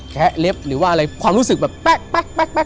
แคะเล็บหรือว่าอะไรความรู้สึกแบบแป๊ะ